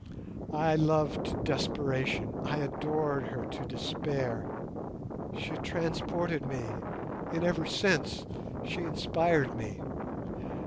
I loved to desperation, I adored her to despair. She transported me—in every sense; she inspired me.